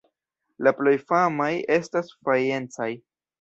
La plej famaj estas fajencaj.